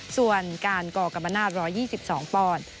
ส่วนการก่อกัมประนาจร้อยยี่สิบสองปอนด์